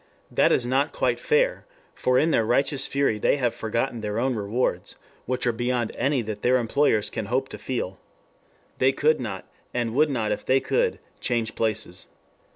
That is not quite fair, for in their righteous fury they have forgotten their own rewards, which are beyond any that their employers can hope to feel. They could not, and would not if they could, change places.